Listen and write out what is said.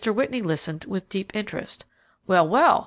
Whitney listened with deep interest. "Well, well!